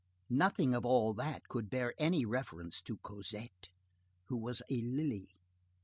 Nothing of all that could bear any reference to Cosette, who was a lily.